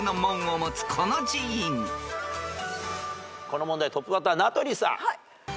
この問題トップバッターは名取さん。